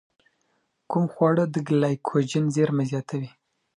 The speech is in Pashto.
کوم خواړه د ګلایکوجن زېرمه زیاتوي؟